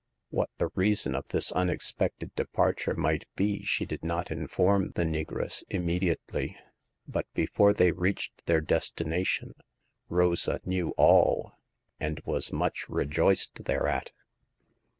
What the reason of this unexpected de parture might be she did not inform the negress immediately ; but before they reached their destination Rosa knew all, and was much re joiced thereat.